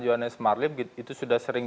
johannes marlim itu sudah sering